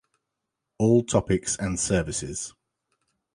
All Topics and Services